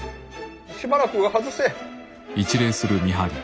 しばらく外せ。